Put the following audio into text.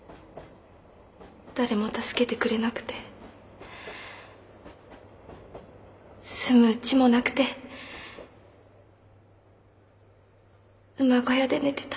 誰も助けてくれなくて住むうちもなくて馬小屋で寝てた。